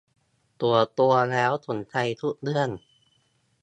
ส่วนตัวแล้วสนใจทุกเรื่อง